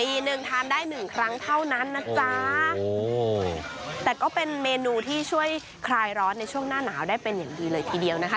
หนึ่งทานได้หนึ่งครั้งเท่านั้นนะจ๊ะโอ้ยแต่ก็เป็นเมนูที่ช่วยคลายร้อนในช่วงหน้าหนาวได้เป็นอย่างดีเลยทีเดียวนะคะ